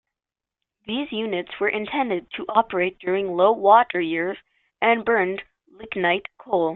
These units were intended to operate during low-water years, and burned lignite coal.